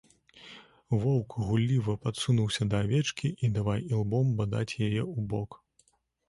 Воўк гулліва падсунуўся да авечкі і давай ілбом бадаць яе ў бок.